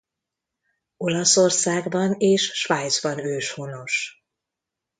Olaszországban és Svájcban őshonos.